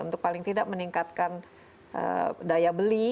untuk paling tidak meningkatkan daya beli